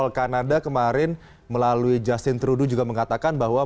kalau kanada kemarin melalui justin trudeau juga mengatakan bahwa